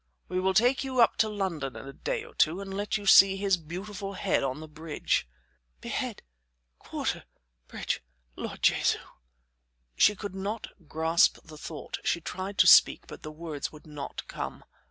We will take you up to London in a day or two and let you see his beautiful head on the bridge." "Behead quarter bridge! Lord Jesu!" She could not grasp the thought; she tried to speak, but the words would not come.